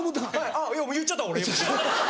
「あっもう言っちゃった俺！」。